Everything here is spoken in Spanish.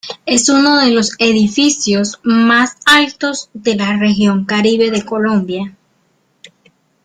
Es uno de los edificio más altos de la Región Caribe de Colombia.